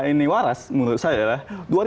pemerintah ini waras menurut saya lah